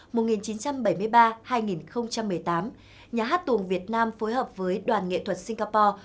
mùa một nghìn chín trăm bảy mươi ba hai nghìn một mươi tám nhà hát tuồng việt nam phối hợp với đoàn nghệ thuật singapore